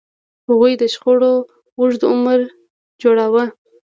هغوی د شخړو اوږد عمر جوړاوه.